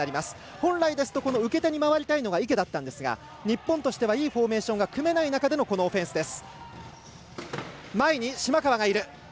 本来であれば受け手に回りたいのが池だったんですが日本としてはいいフォーメーションが組めない中でのオフェンスです。